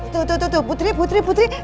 tuh tuh tuh putri putri putri